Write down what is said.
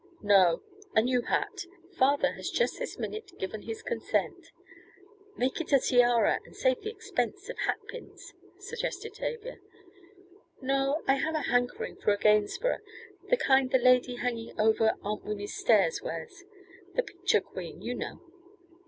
"No, a new hat. Father has just this minute given his consent." "Make it a tiara and save the expense of hat pins," suggested Tavia. "No, I have a hankering for a Gainsborough, the kind the lady hanging over Aunt Winnie's stairs wears the picture queen, you know."